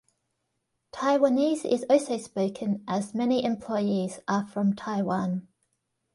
Taiwanese is also spoken as many employees are from Taiwan.